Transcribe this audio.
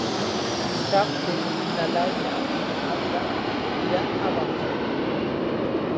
Dissabte na Laia i na Nàdia iran a Bausen.